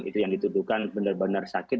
itu yang dituduhkan benar benar sakit